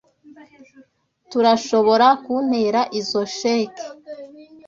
Turashoborakuntera izoi cheque?